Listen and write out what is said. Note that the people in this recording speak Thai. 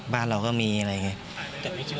บ้านเราก็มีอะไรอย่างนี้